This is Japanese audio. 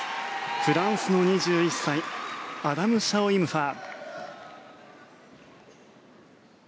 フランスの２１歳アダム・シャオ・イム・ファ。